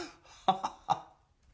ハハハ！